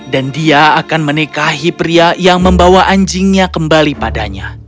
dan dia akan menikahi pria yang membawa anjingnya kembali padanya